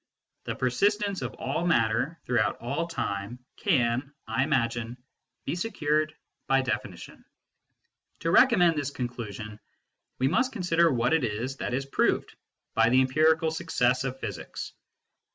The persistence of all matter throughout all time can, I imagine, be secured by definition. To recommend this conclusion, we must consider what it is that is proved by the empirical success of physics.